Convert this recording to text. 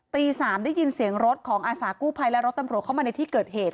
ตี๓ได้ยินเสียงรถของอาสากู้ภัยและรถตำรวจเข้ามาในที่เกิดเหตุ